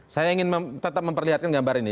saya ingin tetap memperlihatkan gambar ini